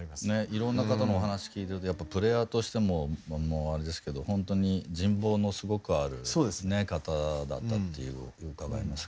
いろんな方のお話聞いてるとやっぱプレーヤーとしてもあれですけどほんとに人望のすごくある方だったっていうふうに伺います。